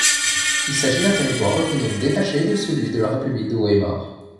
Il s'agit d'un territoire autonome, détaché de celui de la République de Weimar.